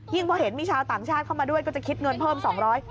พอเห็นมีชาวต่างชาติเข้ามาด้วยก็จะคิดเงินเพิ่ม๒๐๐บาท